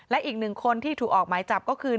และอีกหนึ่งคนที่ถูกออกหมายจับก็คือ